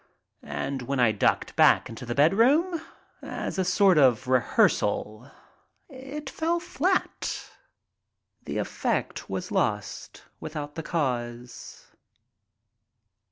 And when I ducked back into the bedroom, as a sort of rehearsal, it fell fiat. The effect was lost without the cause.